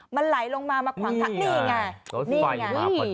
มันไหลลงมามาขวางทางนี่ไง